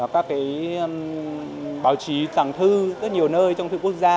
các báo chí rằng thư rất nhiều nơi trong thư quốc gia